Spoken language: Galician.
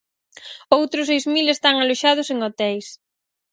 Outros seis mil están aloxados en hoteis.